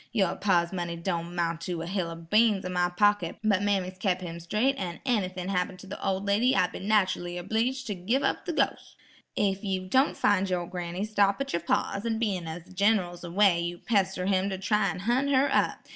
Yer pa's money don' 'mount to a hill o' beans in my pocket, but mammy's kep' him straigh, an' ennythin'd happen the ol' lady I'd be nachally obleeged to giv' up the ghos'." "Ef you don' fin' your granny, stop at yer pa's an' bein' as the Gin'ral's away yer pester him to try an' hunt her up.